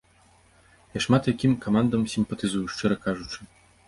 Я шмат якім камандам сімпатызую, шчыра кажучы.